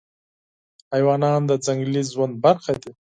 حیوانات د ځنګلي ژوند برخه دي.